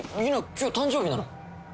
今日誕生日なの？